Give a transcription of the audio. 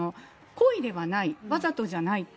故意ではない、わざとじゃない。